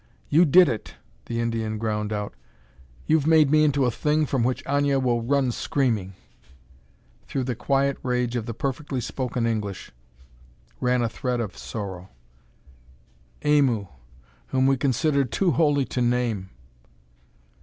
"You did it!" the Indian ground out. "You've made me into a thing from which Aña will run screaming." Through the quiet rage of the perfectly spoken English ran a thread of sorrow. "Aimu, whom we considered too holy to name!"